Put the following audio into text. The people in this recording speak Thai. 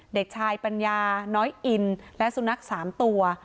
เด็กชายปัญญาน้อยอินและสุนัข๓ตัว